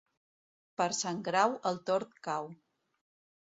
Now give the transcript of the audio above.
Per Sant Grau, el tord cau.